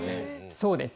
そうです。